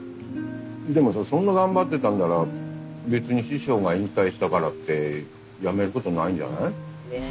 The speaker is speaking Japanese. でもさそんな頑張ってたんなら別に師匠が引退したからって辞めることないんじゃない？ねえ。